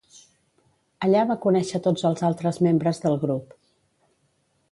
Allà va conèixer tots els altres membres del grup.